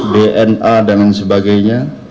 dna dan lain sebagainya